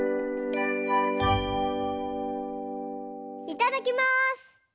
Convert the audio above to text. いただきます！